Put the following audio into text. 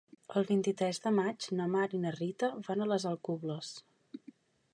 El vint-i-tres de maig na Mar i na Rita van a les Alcubles.